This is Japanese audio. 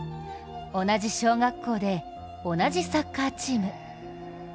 同じ小学校で同じサッカーチーム。